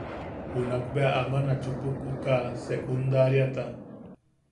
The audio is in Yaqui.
Junak bea aman a chupak uka sekundariata.